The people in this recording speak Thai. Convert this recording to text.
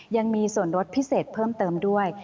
ยังมีส่วนลดพิเศษเพิ่มเติมด้วย